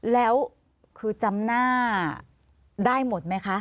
แล้วครูจำหน้าได้หมดไหมคะ